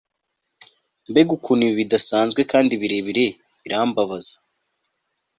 Mbega ukuntu ibi bidasanzwe kandi birebire birambabaza